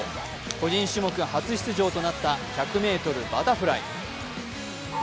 個人種目初出場となった１００ｍバタフライ。